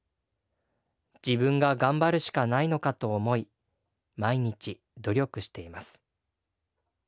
自分が頑張るしかないのかと思い毎日努力しています。